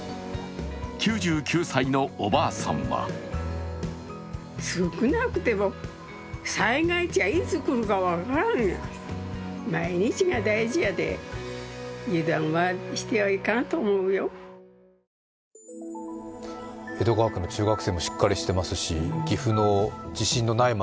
９９歳のおばあさんは江戸川区の中学生もしっかりしていますし岐阜の地震のない街